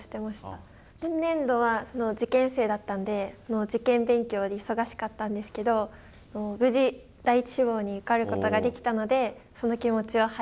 今年度は受験生だったんで受験勉強で忙しかったんですけど無事第一志望に受かることができたのでその気持ちを俳句に書きました。